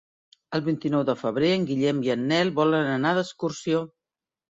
El vint-i-nou de febrer en Guillem i en Nel volen anar d'excursió.